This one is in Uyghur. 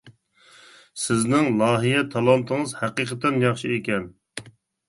سىزنىڭ لايىھە تالانتىڭىز ھەقىقەتەن ياخشى ئىكەن.